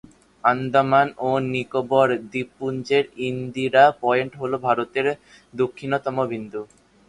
আন্দামান ও নিকোবর দ্বীপপুঞ্জের ইন্দিরা পয়েন্ট হল ভারতের দক্ষিণতম বিন্দু।